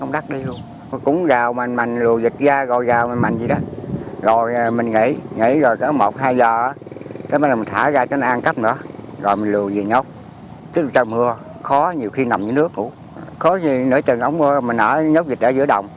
nếu như nửa trần ống mưa mình ở nhốt vịt ở giữa đồng